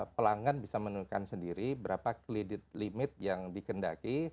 pelanggan bisa menurunkan sendiri berapa kredit limit yang dikendaki